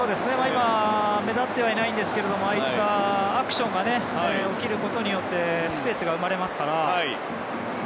今、目立っていないですがああいったアクションが起きることでスペースが生まれますから。